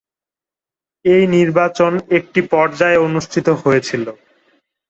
এই নির্বাচন একটি পর্যায়ে অনুষ্ঠিত হয়েছিল।